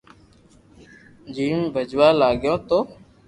جيم ڀجوا لاگيو تو